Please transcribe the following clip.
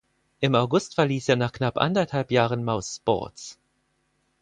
Im August verließ er nach knapp anderthalb Jahren Mousesports.